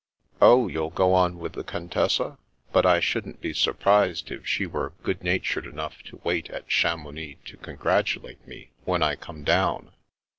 "Oh, you'll go on with the Contessa? But I shouldn't be surprised if she were good natured enough to wait at Chapiounix to congratulate me when I come down."